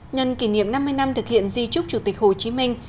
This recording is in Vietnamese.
nhân kỷ niệm năm mươi năm thực hiện di trúc chủ tịch hồ chí minh